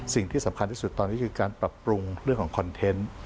สิ่งที่สำคัญที่สุดตอนนี้คือการปรับปรุงเรื่องของคอนเทนต์